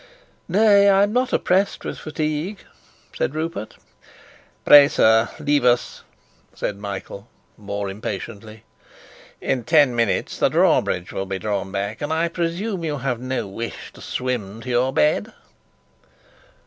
"Nay, I'm not oppressed with fatigue," said Rupert. "Pray, sir, leave us," said Michael, more impatiently. "In ten minutes the drawbridge will be drawn back, and I presume you have no wish to swim to your bed."